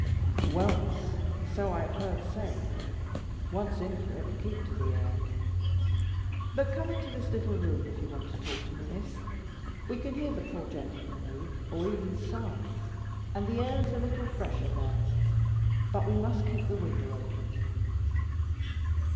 "Well, Miss, so I have heard say. Once in for it, keep to the air. But come into this little room, if you want to talk to me, Miss. We can hear the poor gentleman move, or even sigh; and the air is a little fresher there. But we must keep the window open."